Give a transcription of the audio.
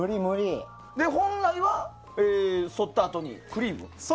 本来はそったあとにクリーム？